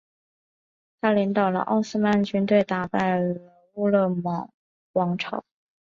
他领导奥斯曼军队击败了尕勒莽王朝。